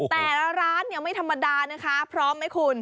แต่ละร้านเนี่ยไม่ธรรมดานะคะพร้อมไหมคุณ